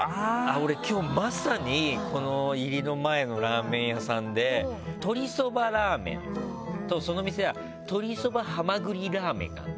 俺今日まさにこの入りの前のラーメン屋さんで鶏そばラーメンとその店は鶏そばはまぐりラーメンがあるの。